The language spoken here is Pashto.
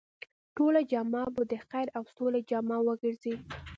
ټوله جامعه به د خير او سولې جامعه وګرځي.